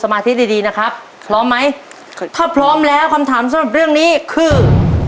มาที่ดีดีนะครับพร้อมไหมถ้าพร้อมแล้วคำถามสำหรับเรื่องนี้คือ